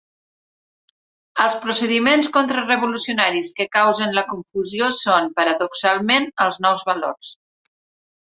Els procediments contrarevolucionaris que causen la confusió són, paradoxalment, els nous valors.